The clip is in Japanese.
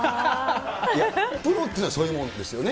プロっていうのはそういうものですよね。